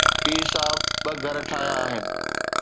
پير صاحب ٻه گهر ٺاهيا آهن.